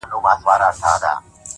ښه ډېره ښكلا غواړي داسي هاسي نه كــيږي